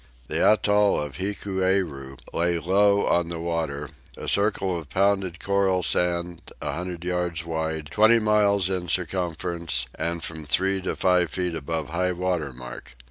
The atoll of Hikueru lay low on the water, a circle of pounded coral sand a hundred yards wide, twenty miles in circumference, and from three to five feet above high water mark.